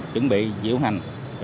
chuẩn bị diễu hành